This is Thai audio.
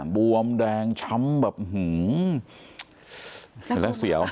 บวมแดงช้ำแบบเห็นแล้วเสียว